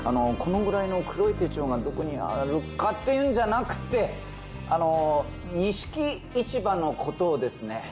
このぐらいの黒い手帳がどこにあるかていうんじゃなくて錦市場のことをですね